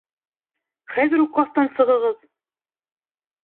— Хәҙер үк кластан сығығыҙ!